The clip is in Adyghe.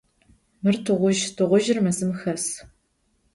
Mır tığuzj, tığuzjır mezım xes.